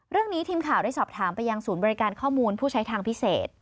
เรื่องนี้ทีมข่าวได้สอบถามไปยังศูนย์บริการข้อมูลผู้ใช้ทางพิเศษ